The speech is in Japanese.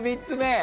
３つ目。